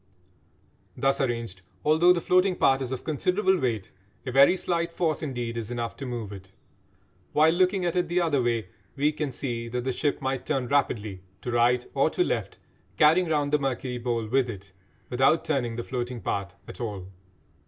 Thus arranged, although the floating part is of considerable weight, a very slight force indeed is enough to move it; while, looking at it the other way, we can see that the ship might turn rapidly to right or to left, carrying round the mercury bowl with it, without turning the floating part at all.